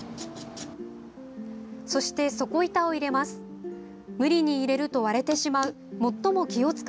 そして、底板を入れます。